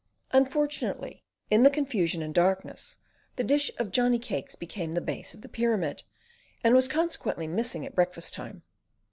Unfortunately, in the confusion and darkness, the dish of Johnny cakes became the base of the pyramid, and was consequently missing at breakfast time.